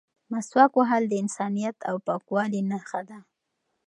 مسواک وهل د انسانیت او پاکوالي نښه ده.